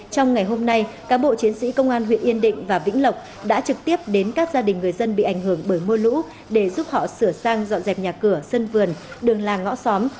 trong ngày hôm nay cán bộ chiến sĩ công an huyện yên định và vĩnh lộc đã trực tiếp đến các gia đình người dân bị ảnh hưởng bởi mưa lũ để giúp họ sửa sang dọn dẹp nhà cửa sân vườn đường làng ngõ xóm